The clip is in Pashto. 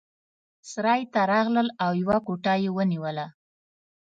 سرای ته راغلل او یوه کوټه یې ونیوله.